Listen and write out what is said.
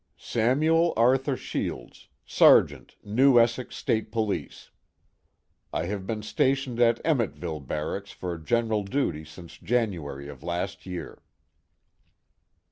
"Samuel Arthur Shields, Sergeant, New Essex State Police. I have been stationed at Emmetville Barracks for general duty since January of last year."